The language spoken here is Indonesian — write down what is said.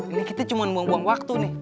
ini kita cuma buang buang waktu nih